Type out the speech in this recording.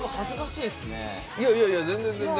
いやいやいや全然全然。